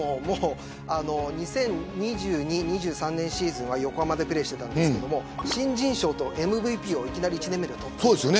２０２２２０２３シーズンは横浜でプレーしていたんですけど新人賞とＭＶＰをいきなり取った。